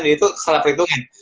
jadi itu salah perhitungan